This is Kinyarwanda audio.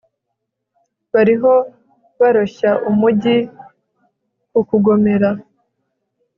bariho baroshya umugi kukugomera